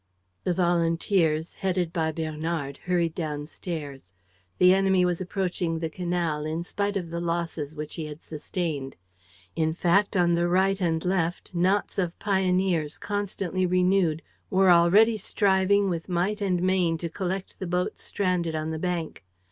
The volunteers, headed by Bernard, hurried downstairs. The enemy was approaching the canal, in spite of the losses which he had sustained. In fact, on the right and left, knots of pioneers, constantly renewed, were already striving with might and main to collect the boats stranded on the bank.